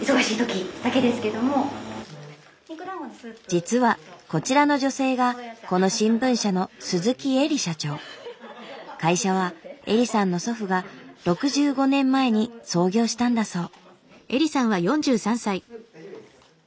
実はこちらの女性がこの新聞社の会社は英里さんの祖父が６５年前に創業したんだそう。